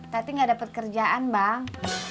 tadi nggak dapet kerjaan bang